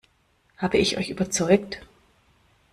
Habe ich euch überzeugt?